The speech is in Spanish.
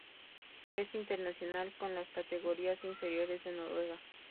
Es internacional con las categorías inferiores de Noruega.